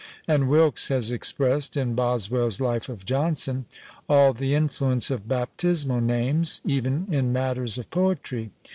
And Wilkes has expressed, in Boswell's Life of Johnson, all the influence of baptismal names, even in matters of poetry!